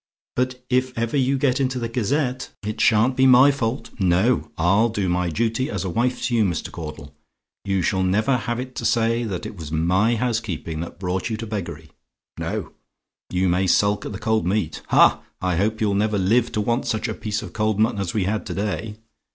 But if ever you get into the Gazette, it sha'n't be MY fault no; I'll do my duty as a wife to you, Mr. Caudle: you shall never have it to say that it was MY housekeeping that brought you to beggary. No; you may sulk at the cold meat ha! I hope you'll never live to want such a piece of cold mutton as we had to day!